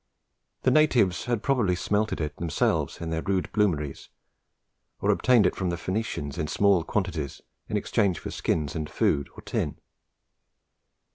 The natives had probably smelted it themselves in their rude bloomeries, or obtained it from the Phoenicians in small quantities in exchange for skins and food, or tin.